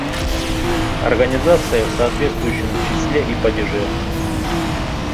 «, организация» в соответствующем числе и падеже;